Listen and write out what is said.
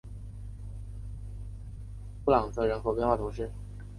布朗泽人口变化图示